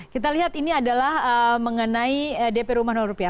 kita lihat ini adalah mengenai dp rumah rupiah